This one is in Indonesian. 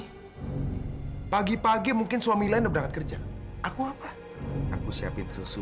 hai pagi pagi mungkin suami lain berangkat kerja aku apa aku siapin susu